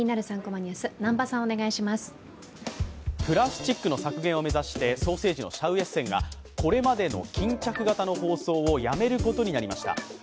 プラスチックの削減を目指してソーセージのシャウエッセンがこれまでの巾着型の包装をやめることになりました。